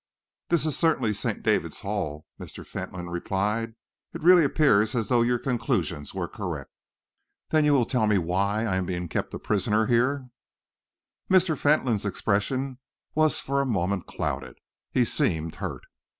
"This is certainly St. David's Hall," Mr. Fentolin replied. "It really appears as though your conclusions were correct." "Then will you tell me why I am kept a prisoner here?" Mr. Fentolin's expression was for a moment clouded. He seemed hurt.